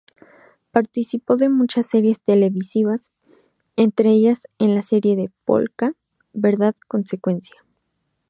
Participó de muchas series televisivas, entre ellas en la serie de Pol-ka, "Verdad consecuencia".